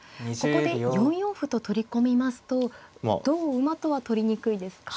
ここで４四歩と取り込みますと同馬とは取りにくいですか。